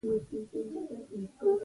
د رحماني صاحب ږیره سپینه شوې وه.